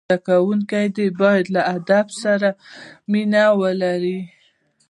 زدهکوونکي باید له ادب سره مینه ولري.